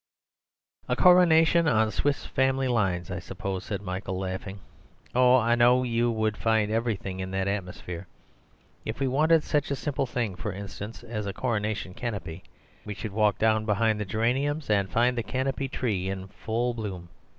"A coronation on 'Swiss Family' lines, I suppose," said Michael, laughing. "Oh, I know you would find everything in that atmosphere. If we wanted such a simple thing, for instance, as a Coronation Canopy, we should walk down beyond the geraniums and find the Canopy Tree in full bloom.